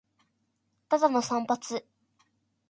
ただの散髪